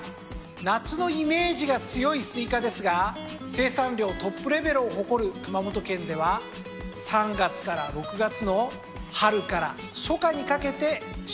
夏のイメージが強いスイカですが生産量トップレベルを誇る熊本県では３月から６月の春から初夏にかけて旬を迎えます。